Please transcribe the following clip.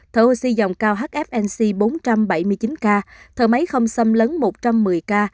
thở oxy dòng cao hfnc bốn trăm bảy mươi chín ca thở máy không xâm lấn một trăm một mươi k